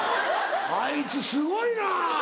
あいつすごいな」。